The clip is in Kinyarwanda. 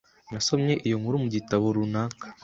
Nasomye iyo nkuru mu gitabo runaka.